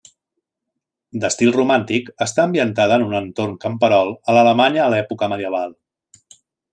D'estil romàntic, està ambientada en un entorn camperol a Alemanya a l'època medieval.